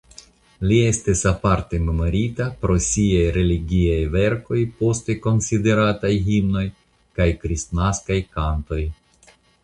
Li estis aparte memorita pro siaj religiaj verkoj poste konsiderataj himnoj kaj kristnaskaj kantoj.